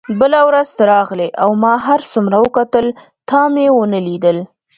بله ورځ ته راغلې او ما هر څومره وکتل تا مې ونه لیدل.